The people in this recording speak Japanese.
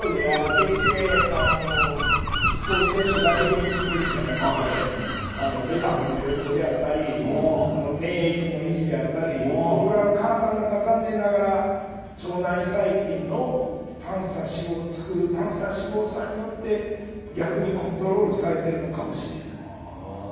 決してスポーツ選手だけに効いているのではなくてメタボの予防であったり免疫の維持であったり体の中、残念ながら腸内細菌の短鎖脂肪酸によって逆にコントロールされているのかもしれない。